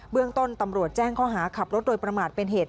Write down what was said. เรื่องต้นตำรวจแจ้งข้อหาขับรถโดยประมาทเป็นเหตุ